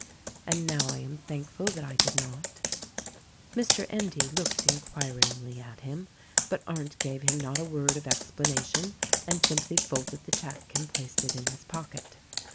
And now I am thankful that I did not." Mr. Endy looked inquiringly at him, but Arndt gave him not a word of explanation and simply folded the check and placed it in his pocket.